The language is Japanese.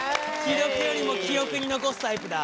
記録よりも記憶に残すタイプだ。